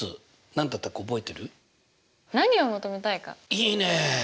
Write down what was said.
いいね！